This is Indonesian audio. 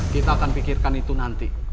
kita akan pikirkan itu nanti